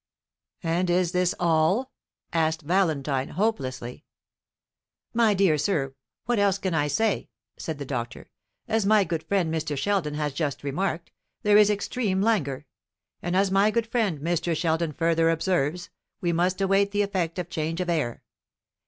"And is this all?" asked Valentine hopelessly. "My dear sir, what else can I say?" said the doctor; "as my good friend Mr. Sheldon has just remarked, there is extreme languor; and as my good friend Mr. Sheldon further observes, we must await the effect of change of air.